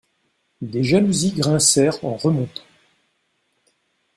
Des jalousies grincèrent en remontant.